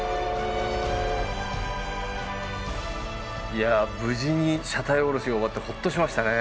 いや無事に車体おろしが終わってホッとしましたね。